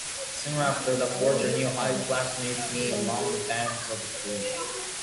Soon after, the four Junior High classmates, meet along the banks of a creek.